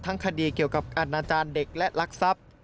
คดีเกี่ยวกับอาณาจารย์เด็กและรักทรัพย์